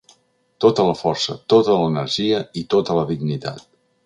Tota la força, tota l’energia i tota la dignitat.